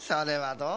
どう？